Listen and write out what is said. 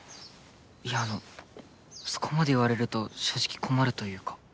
いやあのそこまで言われると正直困るというか。